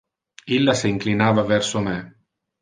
Illa se inclinava verso me.